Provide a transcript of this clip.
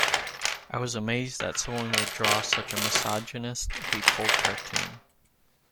I was amazed that someone would draw such a misogynist, hateful cartoon.